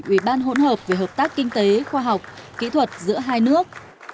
ubhkkkk giữa hai nước